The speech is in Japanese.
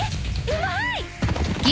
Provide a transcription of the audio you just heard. うまい！